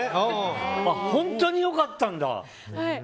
本当に良かったんだ。